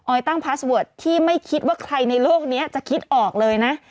ตั้งพาสเวิร์ดที่ไม่คิดว่าใครในโลกนี้จะคิดออกเลยนะ